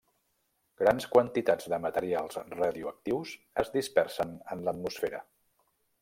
Grans quantitats de materials radioactius es dispersen en l'atmosfera.